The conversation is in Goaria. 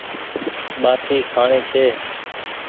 ٻآٽي کآڻي ڇي